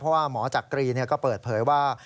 เพราะว่าหมอจักรีก็เปิดเผยว่า